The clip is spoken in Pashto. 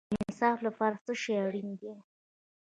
د انصاف لپاره څه شی اړین دی؟